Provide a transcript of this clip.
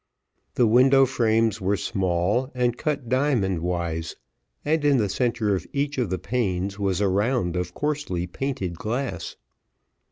The window frames were small, and cut diamond wise; and, in the centre of each of the panes, was a round of coarsely painted glass.